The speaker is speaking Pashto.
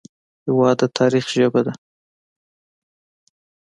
هېواد د تاریخ ژبه ده.